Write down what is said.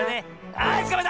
はいつかまえた！